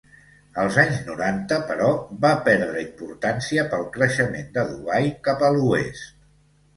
Als anys noranta, però, va perdre importància pel creixement de Dubai cap a l'oest.